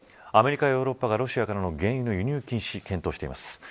アメリカ、ヨーロッパがロシアからの原油の輸入禁止を検討しています。